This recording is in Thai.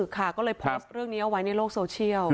ค่ะก็เลยโพสต์เรื่องนี้เอาไว้ในโลกโซเชียล